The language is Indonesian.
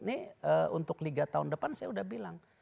ini untuk liga tahun depan saya sudah bilang